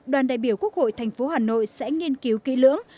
đoàn đại biểu quốc hội tp hà nội sẽ nghiên cứu kỹ lưỡng